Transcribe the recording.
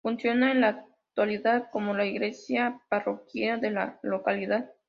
Funciona en la actualidad como la iglesia parroquial de la localidad.